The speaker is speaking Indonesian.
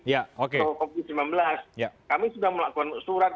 covid sembilan belas kami sudah melakukan surat